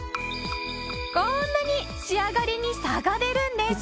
こんなに仕上がりに差が出るんです。